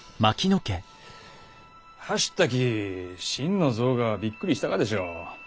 走ったき心の臓がびっくりしたがでしょう。